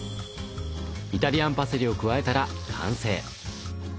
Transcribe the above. イタリアンパセリを加えたら完成。